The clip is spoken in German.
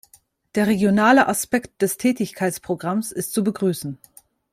Der regionale Aspekt des Tätigkeitsprogramms ist zu begrüßen.